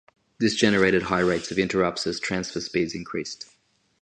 This generated high rates of interrupts as transfer speeds increased.